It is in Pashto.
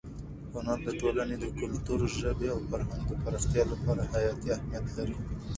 هنر د ټولنې د کلتور، ژبې او فکر د پراختیا لپاره حیاتي اهمیت لري.